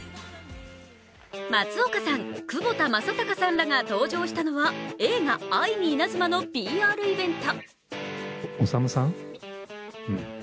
松岡さん、窪田正孝さんらが登場したのは映画「愛にイナズマ」のＰＲイベント。